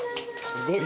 すごい。